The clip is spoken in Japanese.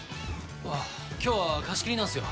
今日は貸し切りなんすよ。